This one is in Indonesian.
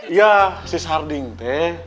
iya si sarding teh